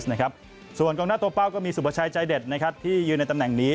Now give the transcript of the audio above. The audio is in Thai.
ส่วนกลางหน้าตัวเป้าก็มีสุพชัยใจเด็ดที่ยืนในตำแหน่งนี้